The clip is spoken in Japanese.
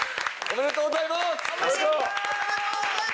おめでとうございます。